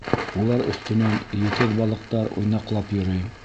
Улар өҫтөнән етеҙ балыҡтар уйнаҡлап йөрөй.